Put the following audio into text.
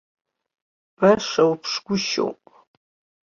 Баша уԥшгәышьоуп.